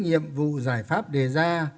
nhiệm vụ giải pháp đề ra